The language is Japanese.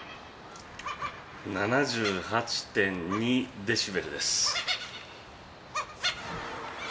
７８．２デシベルです。